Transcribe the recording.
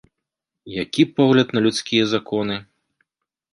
Які погляд на людскія законы!